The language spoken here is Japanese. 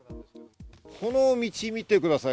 この道を見てください。